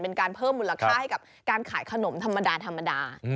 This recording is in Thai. เป็นการเพิ่มมูลค่าให้กับการขายขนมธรรมดาธรรมดา